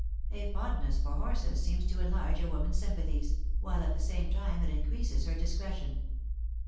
A fondness for horses seems to enlarge a woman's sympathies, while at the same time it increases her discretion.